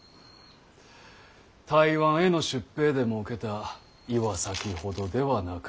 台湾への出兵でもうけた岩崎ほどではなか。